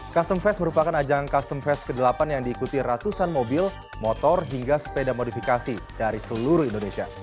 custom fest merupakan ajang custom fest ke delapan yang diikuti ratusan mobil motor hingga sepeda modifikasi dari seluruh indonesia